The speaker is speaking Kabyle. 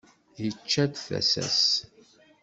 Yečča-d tasa-s.